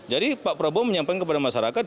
jadi pak prabowo menyampaikan kepada masyarakat